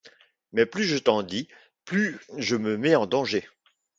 Mais plus je t’en dis plus je me mets en danger.